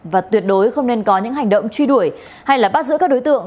và tuyệt đối không nên có những hành động truy đuổi hay bắt giữ các đối tượng